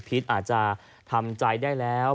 อาจจะทำใจได้แล้ว